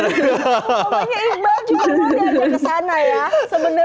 oh jadi makanya imbal juga mau diajak ke sana ya sebenarnya ya